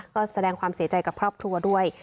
ก็แสดงความเสียใจกับครอบครัวด้วย